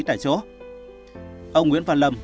tại chỗ ông nguyễn văn lâm